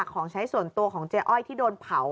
ของใช้ส่วนตัวของเจ๊อ้อยที่โดนเผา